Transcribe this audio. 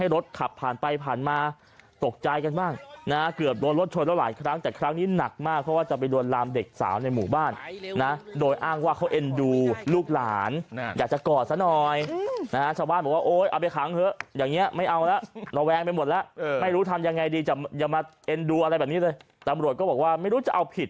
รถขับผ่านไปผ่านมาตกใจกันบ้างนะฮะเกือบโดนรถชนแล้วหลายครั้งแต่ครั้งนี้หนักมากเพราะว่าจะไปลวนลามเด็กสาวในหมู่บ้านนะโดยอ้างว่าเขาเอ็นดูลูกหลานอยากจะกอดซะหน่อยนะฮะชาวบ้านบอกว่าโอ๊ยเอาไปขังเถอะอย่างนี้ไม่เอาแล้วระแวงไปหมดแล้วไม่รู้ทำยังไงดีจะอย่ามาเอ็นดูอะไรแบบนี้เลยตำรวจก็บอกว่าไม่รู้จะเอาผิด